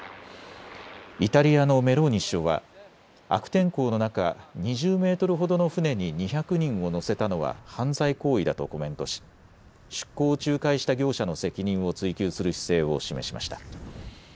イタリアのメローニ首相は悪天候の中、２０メートルほどの船に２００人を乗せたのは犯罪行為だとコメントし出航を仲介した業者の責任を追及する姿勢を示しました。